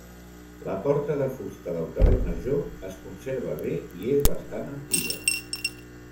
La porta de fusta del carrer Major es conserva bé i és bastant antiga.